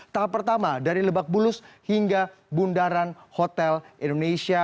tahap pertama dari lebak bulus hingga bundaran hotel indonesia